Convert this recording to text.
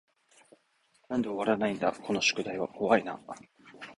なんで終わらないだこの宿題は怖い y な